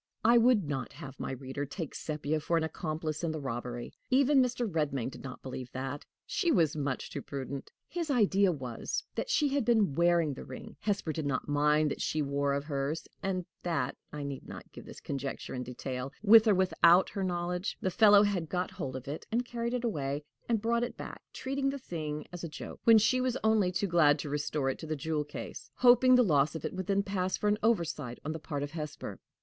I would not have my reader take Sepia for an accomplice in the robbery. Even Mr. Redmain did not believe that: she was much too prudent! His idea was, that she had been wearing the ring Hesper did not mind what she wore of hers and that (I need not give his conjecture in detail), with or without her knowledge, the fellow had got hold of it and carried it away, then brought it back, treating the thing as a joke, when she was only too glad to restore it to the jewel case, hoping the loss of it would then pass for an oversight on the part of Hesper.